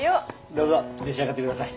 どうぞ召し上がって下さい。